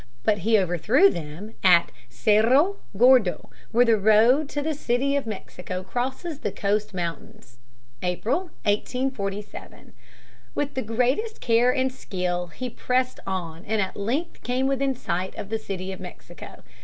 But he overthrew them at Cerro Gordo, where the road to the City of Mexico crosses the coast mountains (April, 1847). With the greatest care and skill he pressed on and at length came within sight of the City of Mexico.